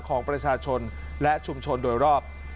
ของประชาชนและชุมชนโดยรอบ